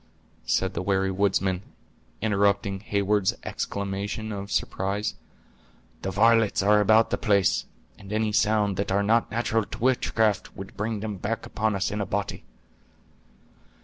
said the wary woodsman, interrupting Heyward's exclamation of surprise; "the varlets are about the place, and any sounds that are not natural to witchcraft would bring them back upon us in a body."